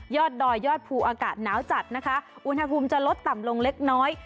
ดอยยอดภูอากาศหนาวจัดนะคะอุณหภูมิจะลดต่ำลงเล็กน้อย